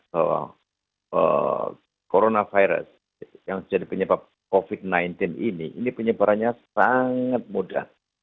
bahwa coronavirus yang jadi penyebab covid sembilan belas ini ini penyebarannya sangat mudah